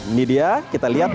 ini dia kita lihat